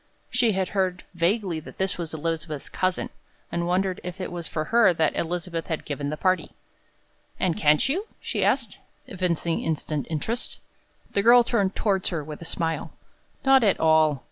She had heard vaguely that this was Elizabeth's cousin, and wondered if it was for her that Elizabeth had given the party. "And can't you?" she asked, evincing instant interest. The girl turned toward her with a smile. "Not at all.